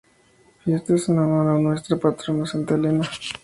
Fiestas en honor a nuestra patrona Santa Elena.